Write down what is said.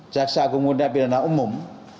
jaksa agung muda pidana umum